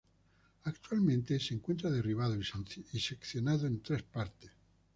Actualmente se encuentra derribado y seccionado en tres partes.